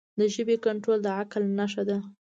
د ژبې کنټرول د عقل نښه ده.